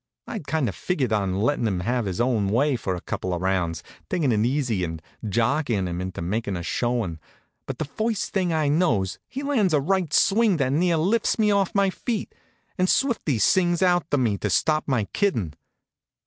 I'd kind of figured on lettin' him have his own way for a couple of rounds, takin' it easy, an' jockeyin' him into making a showin'; but the first thing I knows he lands a right swing that near lifts me off my feet, an' Swifty sings out to me to stop my kiddin'.